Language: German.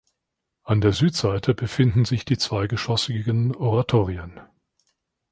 An der Südseite befinden sich die zweigeschossigen Oratorien.